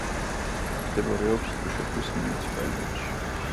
მდებარეობს დუშეთის მუნიციპალიტეტში.